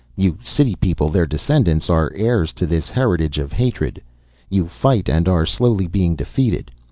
You city people, their descendants, are heirs to this heritage of hatred. You fight and are slowly being defeated.